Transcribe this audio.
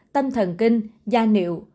tâm thần kinh da nịu